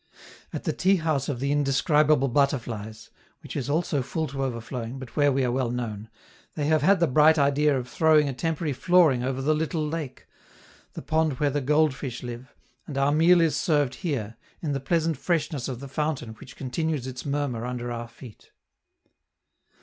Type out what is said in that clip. At the tea house of the Indescribable Butterflies, which is also full to overflowing, but where we are well known, they have had the bright idea of throwing a temporary flooring over the little lake the pond where the goldfish live and our meal is served here, in the pleasant freshness of the fountain which continues its murmur under our feet.